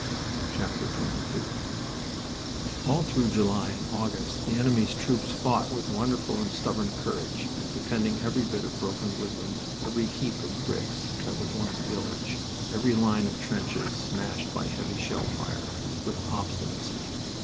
XXII All through July and August the enemy's troops fought with wonderful and stubborn courage, defending every bit of broken woodland, every heap of bricks that was once a village, every line of trenches smashed by heavy shell fire, with obstinacy.